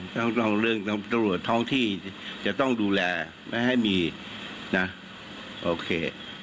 ต้องเรื่องตำรวจท้องที่จะต้องดูแลไม่ให้มีนะโอเค